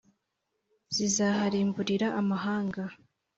Zizaharimburira amahanga